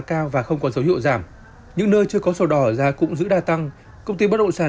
cao và không có dấu hiệu giảm những nơi chưa có sổ đỏ giá cũng giữ đa tăng công ty bất động sản